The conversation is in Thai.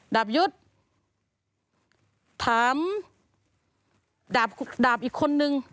ดาบยุทธ์ถามดาบอีกคนนึง